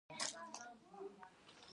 هغې د خپلو سترګو له لارې د مینې نښه ورکړه.